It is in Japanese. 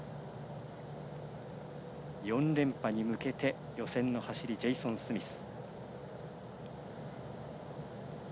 ４連覇に向けて予選の走りジェイソン・スミス。